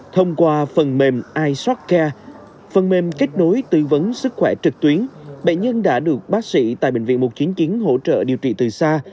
thông qua phần mềm ishopca phần mềm kết nối tư vấn sức khỏe trực tuyến bệnh nhân đã được bác sĩ tại bệnh viện một trăm chín mươi chín hỗ trợ điều trị từ xa